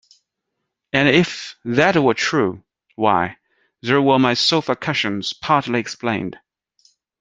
And if that were true — why, there were my sofa cushions partly explained.